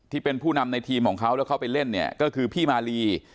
ที่เป็นผู้นำในทีมของเขาแล้วเขาไปเล่นเนี่ยก็คือพี่มาลี